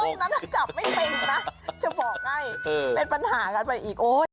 นั้นถ้าจับไม่เป็นนะจะบอกให้เป็นปัญหากันไปอีกโอ๊ย